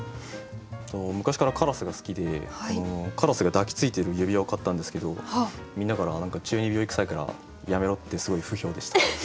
昔からカラスが好きでカラスが抱きついてる指輪を買ったんですけどみんなから何か中二病くさいからやめろってすごい不評でした。